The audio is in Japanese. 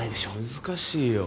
難しいよ。